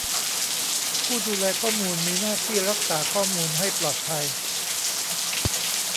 ผู้ดูแลข้อมูลมีหน้าที่รักษาข้อมูลให้ปลอดภัย